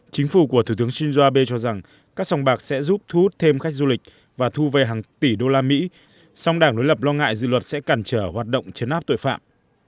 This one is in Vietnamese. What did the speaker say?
chính phủ của thủ tướng shinzo abe cho rằng các sòng bạc sẽ giúp thu hút thêm khách du lịch và thu về hàng tỷ đô la mỹ song đảng đối lập lo ngại dự luật sẽ cản trở hoạt động chấn áp tội phạm